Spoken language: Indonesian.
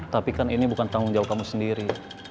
tapi kan ini bukan tanggung jawab kamu sendiri